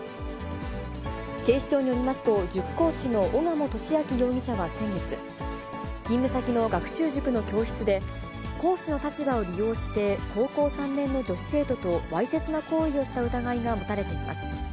警視庁によりますと、塾講師の小鴨俊明容疑者は先月、勤務先の学習塾の教室で、講師の立場を利用して、高校３年の女子生徒とわいせつな行為をした疑いが持たれています。